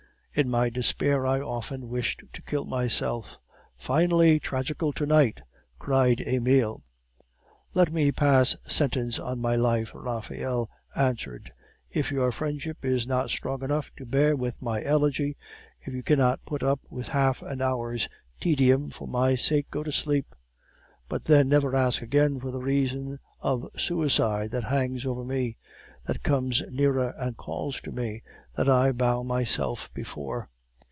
In my despair I often wished to kill myself." "Finely tragical to night!" cried Emile. "Let me pass sentence on my life," Raphael answered. "If your friendship is not strong enough to bear with my elegy, if you cannot put up with half an hour's tedium for my sake, go to sleep! But, then, never ask again for the reason of suicide that hangs over me, that comes nearer and calls to me, that I bow myself before.